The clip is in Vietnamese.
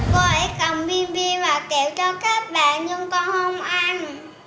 cô gái cầm pin pin và kẹo cho các bạn nhưng con không ăn